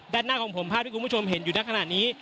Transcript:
ด้านหน้าของผมภาพที่คุณผู้ชมเห็นอยู่ในขณะนี้